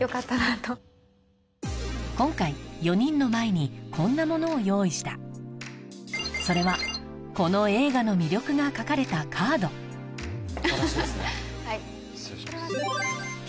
今回４人の前にこんなものを用意したそれはこの映画の魅力が書かれたカード失礼します。